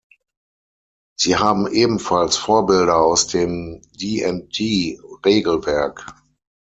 Sie haben ebenfalls Vorbilder aus dem "D&D"-Regelwerk.